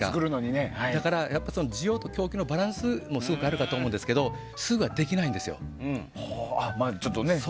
だから、需要と供給のバランスもあるかと思うんですがすぐにはできないんですよ。